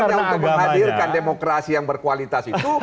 jadi sebenarnya untuk menghadirkan demokrasi yang berkualitas itu